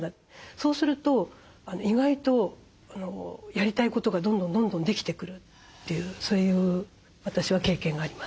そうすると意外とやりたいことがどんどんどんどんできてくるというそういう私は経験があります。